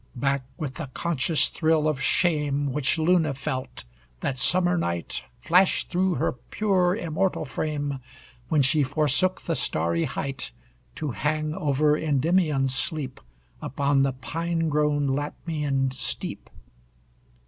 Back! with the conscious thrill of shame Which Luna felt, that summer night, Flash through her pure immortal frame, When she forsook the starry height To hang over Endymion's sleep Upon the pine grown Latmian steep.